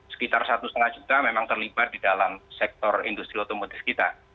sekitar satu lima juta memang terlibat di dalam sektor industri otomotif kita